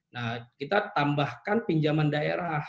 nah kita tambahkan pinjaman daerah